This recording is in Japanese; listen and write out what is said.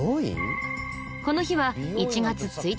この日は１月１日。